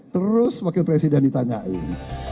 terus wakil presiden ditanyain